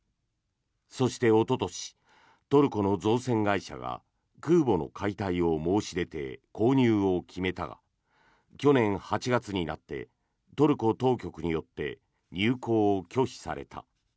そして、おととしトルコの造船会社が空母の解体を申し出て購入を決めたが去年８月になってトルコ当局によって入港を拒否された。